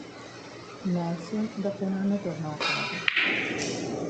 Nelson dopo un anno tornò a casa.